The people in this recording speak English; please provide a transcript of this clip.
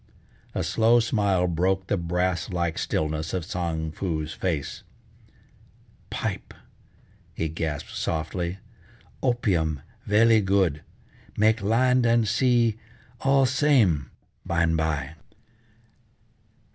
A slow smile broke the brass like stillness of Tsang Foo's face: "Pipe," he gasped softly, "opium velly good, make land and sea all same by an' by!"